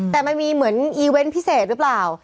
แต่มันมีเหมือนอีเวนต์พิเศษหรือเปล่า